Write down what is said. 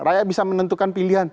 rakyat bisa menentukan pilihan